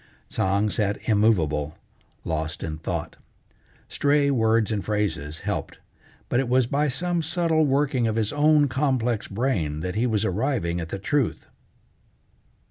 Tsang sat immovable, lost in thought. Stray words and phrases helped, but it was by some subtle working of his own complex brain that he was arriving at the truth.